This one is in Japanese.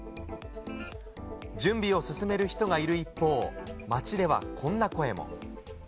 準備を進める人がいる一方、街ではこんな声も。